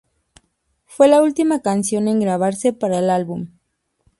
Fue la última canción en grabarse para el álbum.